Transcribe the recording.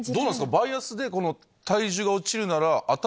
バイアスで体重が落ちるなら。